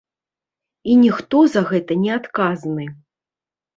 І ніхто за гэта не адказны.